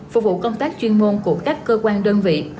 phục vụ công tác chuyên môn của các cơ quan đơn vị